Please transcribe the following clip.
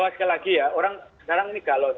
sekali lagi ya sekarang ini galau